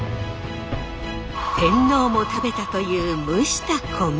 天皇も食べたという蒸した米。